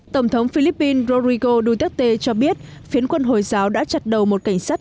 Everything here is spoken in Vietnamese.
tổng thống philippines rodrigo duterte cho biết phiến quân hồi giáo đã chặt đầu một cảnh sát